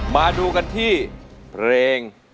มาดูกันที่เพลง